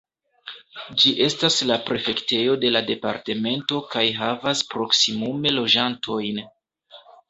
Ĝi estas la prefektejo de la departemento kaj havas proksimume loĝantojn.